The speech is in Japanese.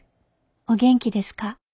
お元気ですか？